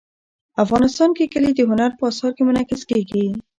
افغانستان کې کلي د هنر په اثار کې منعکس کېږي.